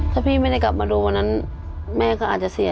ถ้าพี่ไม่ได้กลับมาดูวันนั้นแม่ก็อาจจะเสีย